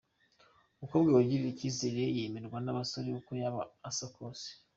Umukobwa wigirira icyizere yemerwa nabasore uko yaba asa kose.